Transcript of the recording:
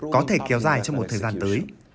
có thể kéo dài cho một thời gian tới